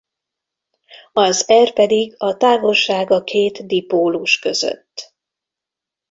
Az r pedig a távolság a két dipólus között.